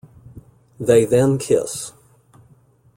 They then kiss.